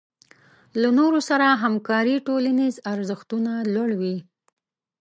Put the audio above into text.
له نورو سره همکاري ټولنیز ارزښتونه لوړوي.